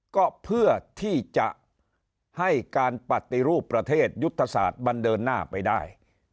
ก็เพื่อที่จะให้การปฏิรูปประเทศยุทธศาสตร์บันเดินหน้าไปได้